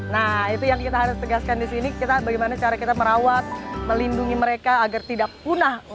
nah itu yang kita harus tegaskan di sini bagaimana cara kita merawat melindungi mereka agar tidak punah